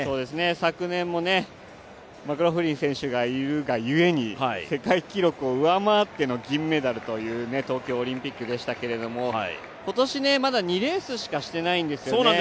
昨年もマクローフリン選手がいるが故に世界記録を上回っての銀メダルという東京オリンピックでしたけれど今年、まだ２レースしかしてないんですよね。